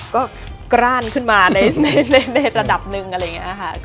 ก็กร้านขึ้นมาในระดับหนึ่ง